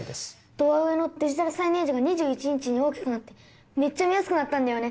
ドア上のデジタルサイネージが２１インチに大きくなってめっちゃ見やすくなったんだよね。